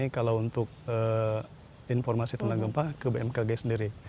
kalau untuk informasi tentang gempa ke bmkg sendiri